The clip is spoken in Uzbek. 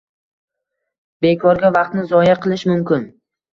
Bekorga vaqtni zoya qilish mumkin.